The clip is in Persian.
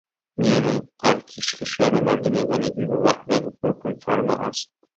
میان ارتش کشور و مردم یگانگی و وحدت حکم فرمااست.